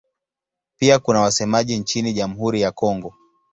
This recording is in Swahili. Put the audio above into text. Pia kuna wasemaji nchini Jamhuri ya Kongo.